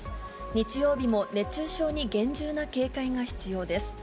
日曜日も熱中症に厳重な警戒が必要です。